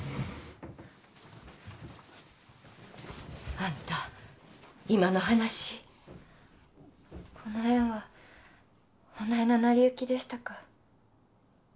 あんた今の話この縁はほないな成り行きでしたか